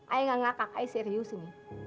ayah nggak ngakak ayah serius ini